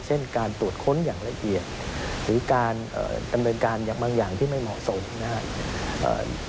เช่นการตรวจค้นอย่างละเอียดหรือการดำเนินการอย่างบางอย่างที่ไม่เหมาะสมนะครับ